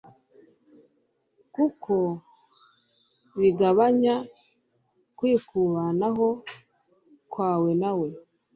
kuko bigabanya kwikubanaho.kwawe nawe